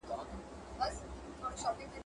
د سړکونو جوړولو ته یې ولې پام کاوه؟